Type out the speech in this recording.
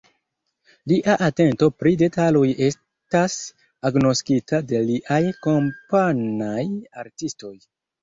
Lia atento pri detaloj estas agnoskita de liaj kompanoj artistoj.